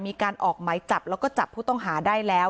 มีการออกหมายจับแล้วก็จับผู้ต้องหาได้แล้ว